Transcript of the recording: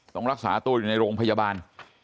ต้องรักษาตัวอยู่ในโรงพยาบาล